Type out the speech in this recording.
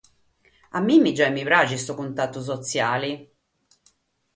A mie, giai mi praghet, su cuntatu sotziale.